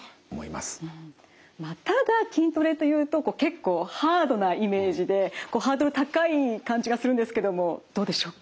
まあただ筋トレというとこう結構ハードなイメージでハードル高い感じがするんですけどもどうでしょうか？